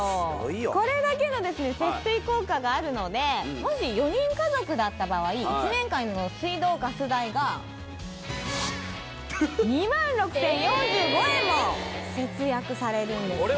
これだけの節水効果があるのでもし４人家族だった場合１年間の水道・ガス代が２万６０４５円も節約されるんですね